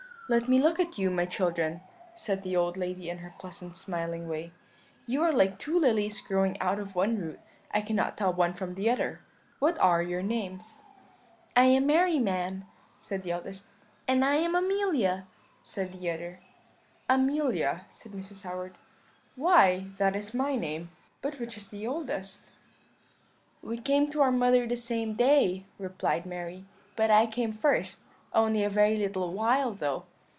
"'Let me look at you, my children,' said the old lady in her pleasant smiling way; 'you are like two lilies growing out of one root; I cannot tell one from the other; what are your names?' "'I am Mary, ma'am,' said the eldest. "'And I am Amelia,' added the other. "'Amelia,' said Mrs. Howard, 'why, that is my name: but which is the oldest?' "'We came to our mother the same day,' replied Mary; 'but I came first, only a very little while though.'